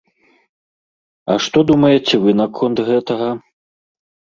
А што думаеце вы наконт гэтага?